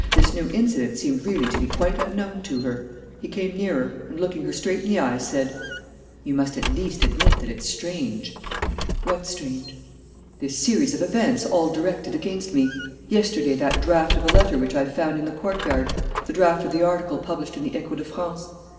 This new incident seemed really to be quite unknown to her. He came nearer and, looking her straight in the eyes, said: "You must at least admit that it's strange." "What's strange?" "This series of events, all directed against me. Yesterday, that draft of a letter which I found in the courtyard the draft of the article published in the Echo de France.